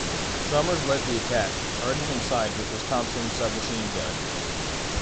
Summers led the attack, charging inside with his Thompson submachine gun.